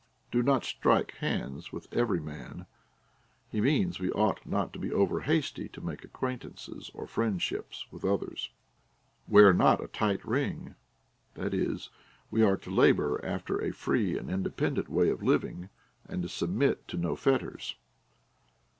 Do not strike hands with every man ; he means we ought not to be over hasty to make acquaintances or friendships with others. Wear not a tight ring ; that is, we are to labor after a free and independent way of living, and to submit to no fetters.